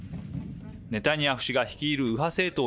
ネタニヤフ氏が率いる右派政党